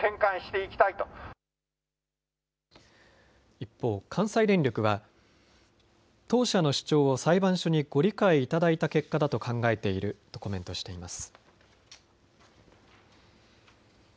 一方、関西電力は当社の主張を裁判所にご理解いただいた結果だと考えているとコメントしています。